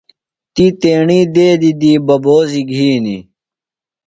تی تیݨی دیدی دی ببوزیۡ گِھنی۔